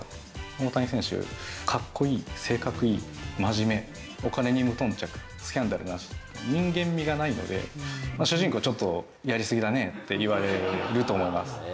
大谷選手、かっこいい、性格いい、真面目、お金に無頓着、スキャンダルなし、人間味がないんで、主人公、ちょっとやりすぎだねって言われると思います。